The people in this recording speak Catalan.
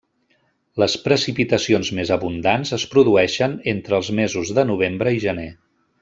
Les precipitacions més abundants es produeixen entre els mesos de novembre i gener.